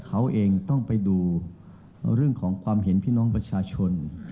เขาเองต้องไปดูเรื่องของความเห็นพี่น้องประชาชน